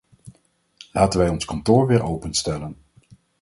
Laten wij ons kantoor weer openstellen.